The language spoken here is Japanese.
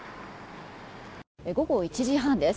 午後１時半です。